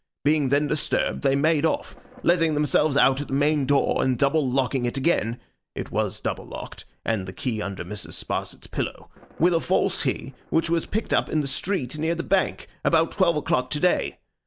Being then disturbed, they made off; letting themselves out at the main door, and double locking it again (it was double locked, and the key under Mrs. Sparsit's pillow) with a false key, which was picked up in the street near the Bank, about twelve o'clock to day.